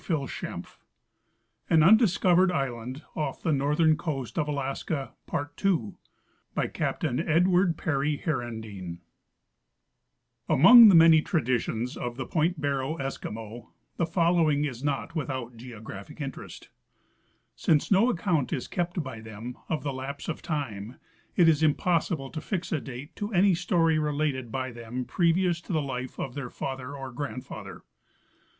I beg to suggest the desirability of calling this very little known land Keenan island. II— BY CAPTxlIN EDWARD PERRY HERENDEEN Among the many traditions of the point Barrow Eskimo the following is not without geographic interest : Since no account is kept by them of the lapse of time, it is impossible to fix a date to any story related by them previous to the life of their father or grandfather.